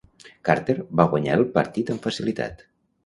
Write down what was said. Carter va guanyar el partit amb facilitat.